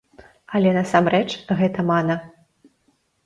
Але насамрэч гэта мана.